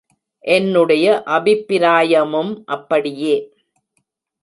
என்னுடைய அபிப்பிராய மும் அப்படியே.